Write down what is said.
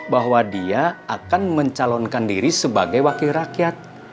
bahwa dia akan mencalonkan diri sebagai wakil rakyat